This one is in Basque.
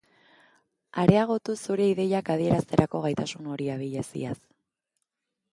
Areagotu zure ideiak adierazterako gaitasun hori, abileziaz.